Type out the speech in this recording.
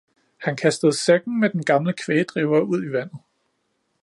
Han kastede sækken med den gamle kvægdriver ud i vandet.